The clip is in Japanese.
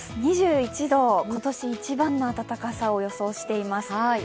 ２１度、今年一番の暖かさを予想しています。